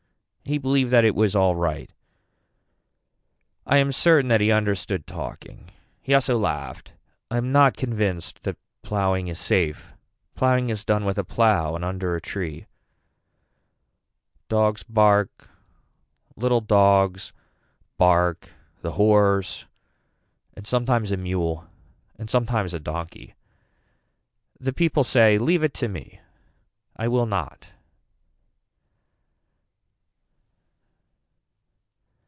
He believed that it was alright. I am certain that he understood talking. He also laughed. I am not convinced that ploughing is safe. Ploughing is done with a plough and under a tree. Dogs bark, little dogs bark the horse and sometimes a mule and sometimes a donkey. The people say leave it to me. I will not.